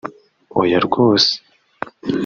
“Oya rwose